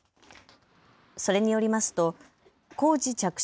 それによりますと工事着手